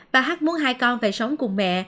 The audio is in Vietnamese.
bà hắc muốn hai con phải sống cùng mẹ